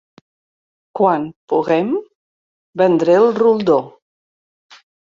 -Quan… poguem vendre el roldó…